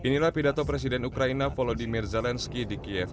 ini lah pidato presiden ukraina volodymyr zelensky di kiev